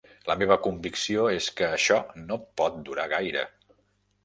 La meva convicció és que això no pot durar gaire.